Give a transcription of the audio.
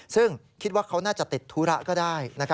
ซึ่งคิดว่าเขาน่าจะติดธุระก็ได้